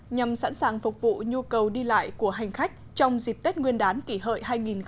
nhằm sẵn sàng phục vụ nhu cầu đi lại của hành khách trong dịp tết nguyên đán kỷ hợi hai nghìn một mươi chín